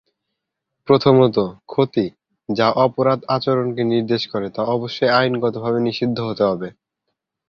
প্রথমত, ক্ষতি যা অপরাধ আচরণকে নির্দেশ করে তা অবশ্যই আইনগতভাবে নিষিদ্ধ হতে হবে।